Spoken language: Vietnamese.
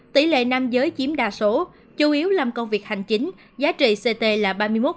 tỷ lệ nam giới chiếm đa số chủ yếu làm công việc hành chính giá trị ct là ba mươi một